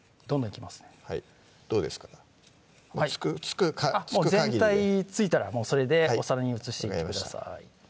つくかぎりで全体ついたらもうそれでお皿に移していってください